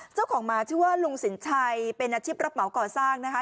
เจ้าของหมาชื่อว่าลุงสินชัยเป็นอาชีพรับเหมาก่อสร้างนะคะ